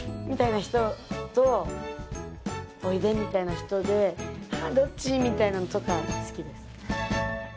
みたいな人とおいでみたいな人でああ、どっちみたいなのとか好きです。